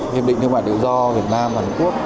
hiệp định thương mại tự do việt nam và hàn quốc